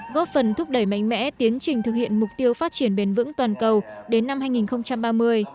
góp phần thúc đẩy mạnh mẽ tiến trình thực hiện mục tiêu phát triển bền vững toàn cầu đến năm hai nghìn ba mươi